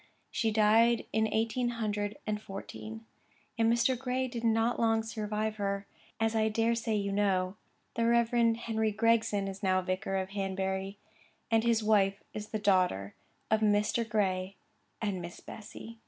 She died in eighteen hundred and fourteen, and Mr. Gray did not long survive her. As I dare say you know, the Reverend Henry Gregson is now vicar of Hanbury, and his wife is the daughter of Mr. Gray and Miss Bessy.